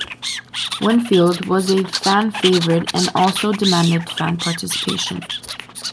Winfield was a fan favorite and also demanded fan participation.